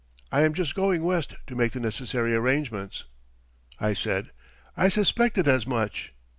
I am just going West to make the necessary arrangements." I said, "I suspected as much."